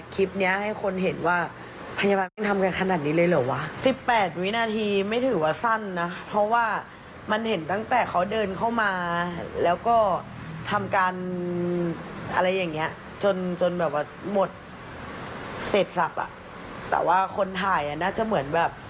แต่ว่าคนถ่ายน่าจะเหมือนแบบ